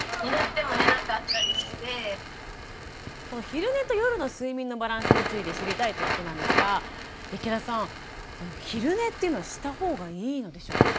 昼寝と夜の睡眠のバランスについて知りたいということなんですが池田さん昼寝というのはした方がいいのでしょうか？